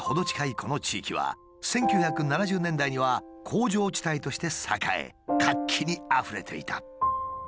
この地域は１９７０年代には工場地帯として栄え活気にあふれていた。